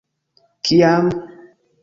- Kiam?